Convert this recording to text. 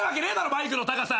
マイクの高さ。